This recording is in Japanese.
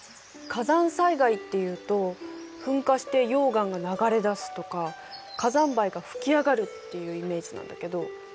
火山災害っていうと噴火して溶岩が流れ出すとか火山灰が吹き上がるっていうイメージなんだけど。